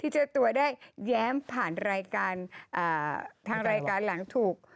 เจ้าตัวได้แย้มผ่านรายการทางรายการหลังถูก